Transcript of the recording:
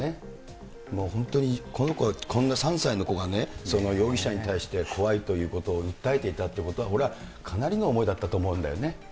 もう本当に、この子、こんな３歳の子がね、容疑者に対して怖いということを訴えていたということは、これはかなりの思いだったと思うんだよね。